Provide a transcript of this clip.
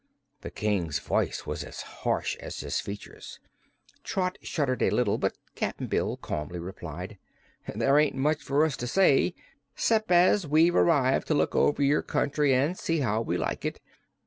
The King's voice was as harsh as his features. Trot shuddered a little but Cap'n Bill calmly replied: "There ain't much for us to say, 'cept as we've arrived to look over your country an' see how we like it.